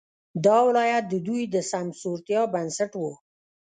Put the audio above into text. دا ولایت د دوی د سمسورتیا بنسټ وو.